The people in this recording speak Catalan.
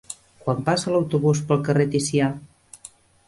Quan passa l'autobús pel carrer Ticià?